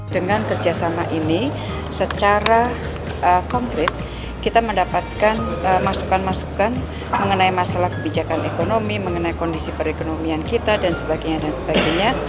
dengan kerjasama ini secara konkret kita mendapatkan masukan masukan mengenai masalah kebijakan ekonomi mengenai kondisi perekonomian kita dan sebagainya dan sebagainya